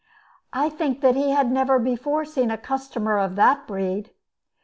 I think he had never before seen a customer of that breed.